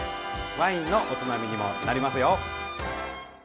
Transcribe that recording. ワインのおつまみにもなりますよ。